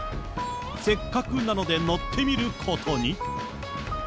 せっかくなので乗ってみることに。